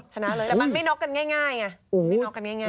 ชนะเลยแต่มันไม่น็อกกันง่ายไงไม่น็อกกันง่าย